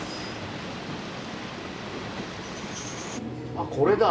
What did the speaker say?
あこれだ！